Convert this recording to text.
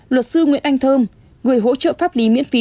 luật sư nguyễn anh thơm người hỗ trợ pháp lý miễn phí